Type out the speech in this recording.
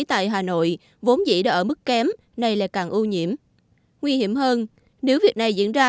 tại hà nội vốn dĩ đã ở mức kém nay lại càng ô nhiễm nguy hiểm hơn nếu việc này diễn ra